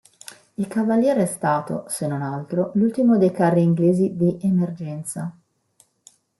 Il Cavalier è stato, se non altro, l'ultimo dei carri inglesi "di emergenza".